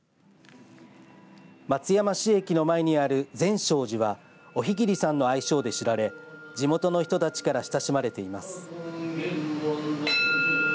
松山市駅の前にある善勝寺はお日切さんの愛称で知られ地元の人たちから親しまれています。